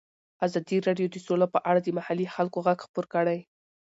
ازادي راډیو د سوله په اړه د محلي خلکو غږ خپور کړی.